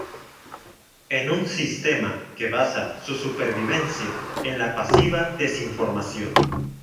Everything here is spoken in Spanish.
en un sistema que basa su supervivencia en la pasiva desinformación